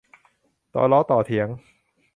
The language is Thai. ต่อล้อต่อเถียง